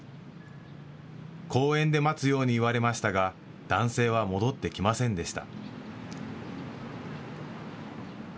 公園で待つように言われましたが男性は戻ってきませんでした。